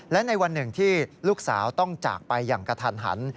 และในวันหนึ่งที่ลูกสาวต้องจากไปอย่างกระทันหัน